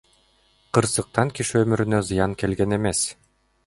Кырсыктан киши өмүрүнө зыян келген эмес.